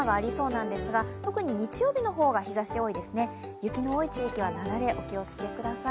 雪の多い地域は、雪崩お気をつけください。